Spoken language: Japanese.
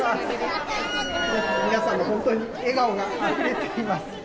皆さん、本当に笑顔があふれています。